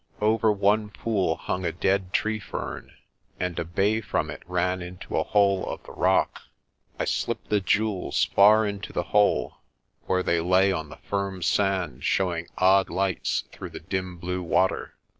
Over one pool hung a dead tree fern, and a bay from it ran into a hole of the rock. I slipped the jewels far into the hole, where they lay on the firm sand showing odd lights through the dim blue water.